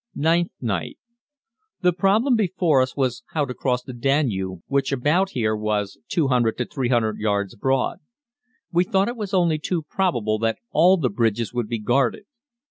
Ninth Night. The problem before us was how to cross the Danube, which about here was 200 to 300 yards broad. We thought it was only too probable that all the bridges would be guarded.